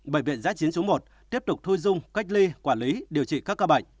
bệnh viện giá chín một tiếp tục thu dung cách ly quản lý điều trị các ca bệnh